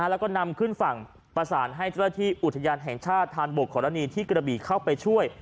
แล้วก็นำขึ้นฝั่งประสานให้เจ้าหน้าที่อุทยานแห่งชาติธานบกขอรณีที่กระบีเข้าไปช่วย